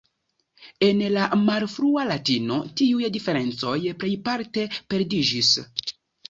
En la malfrua latino tiuj diferencoj plejparte perdiĝis.